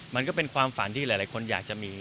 มันก็เป็นความฝันที่หลายคนอยากจะมี